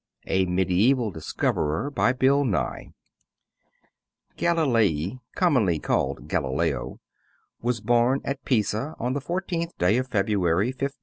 A MEDIEVAL DISCOVERER BY BILL NYE Galilei, commonly called Galileo, was born at Pisa on the 14th day of February, 1564.